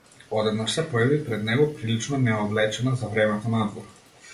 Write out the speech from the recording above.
Одеднаш се појави пред него прилично необлечена за времето надвор.